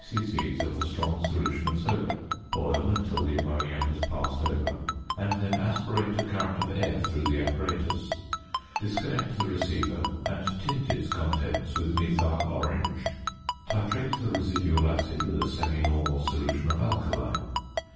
c. of a strong solution of soda, boil until the ammonia has passed over, and then aspirate a current of air through the apparatus. Disconnect the receiver, and tint its contents with methyl orange. Titrate the residual acid with a semi normal solution of alkali.